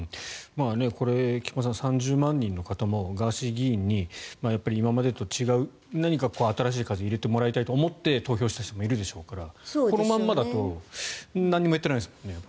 これ、菊間さん３０万人の方々もガーシー議員にやっぱり今までと違う何か新しい風を入れてもらいたいと思って投票した人もいるでしょうからこのままだと何もやっていないですもんね。